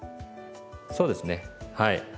そうですねはい。